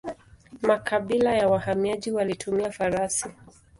Makabila ya wahamiaji walitumia farasi.